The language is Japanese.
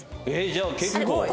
えっじゃあ結構。